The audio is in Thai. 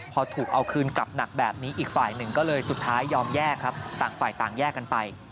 พอถูกเอาคืนกลับหนักแบบนี้อีกฝ่ายหนึ่งก็เลยสุดท้ายยอมแยกครับต่างฝ่ายต่างแยกกันไป